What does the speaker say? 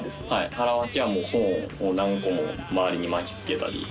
腹巻きは本を何個も回りに巻きつけたり。